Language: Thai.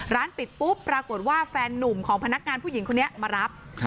ร้านปิดปุ๊บปรากฏว่าแฟนนุ่มของพนักงานผู้หญิงคนนี้มารับ